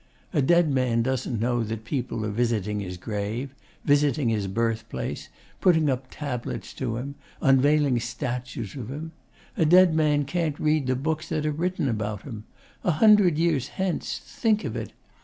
A dead man doesn't know that people are visiting his grave visiting his birthplace putting up tablets to him unveiling statues of him. A dead man can't read the books that are written about him. A hundred years hence! Think of it!